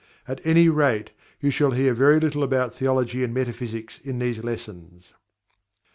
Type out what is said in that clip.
At any rate, you shall hear very little about Theology and Metaphysics in these lessons.)